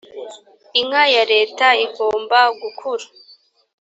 inka ya leta igomba gukuru